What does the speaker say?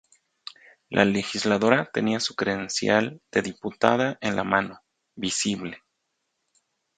La legisladora tenía su credencial de diputada en la mano, visible.